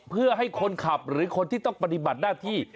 เพื่อให้คนขับหรือคนที่ต้องปฏิบัติหน้าที่